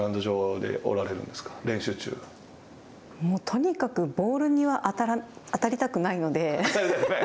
とにかくボールには当たりたくないので。